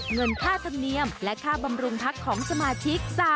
เงินค่าธรรมเนียมและค่าบำรุงพักของสมาชิก